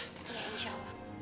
iya insya allah